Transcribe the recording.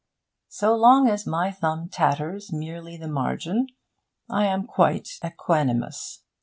So long as my thumb tatters merely the margin, I am quite equanimous.